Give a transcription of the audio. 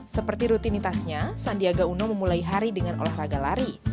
seperti rutinitasnya sandiaga uno memulai hari dengan olahraga lari